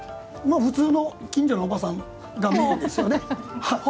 普通の近所のおばさんがメインですよね。